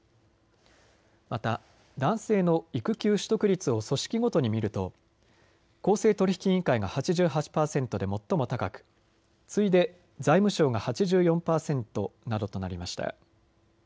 また男性の育休取得率を組織ごとに見ると公正取引委員会が８８％で最も高く、次いで財務省が８４％などとなりました。